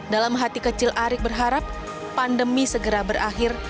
dalam hati kecil arik berharap pandemi segera berakhir